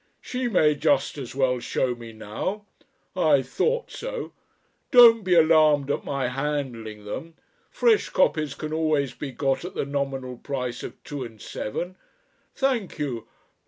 She may just as well show me now. I thought so. Don't be alarmed at my handling them. Fresh copies can always be got at the nominal price of two and seven. Thank you